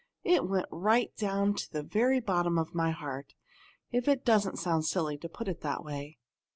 It went right down to the very bottom of my heart, if it doesn't sound silly to put it that way."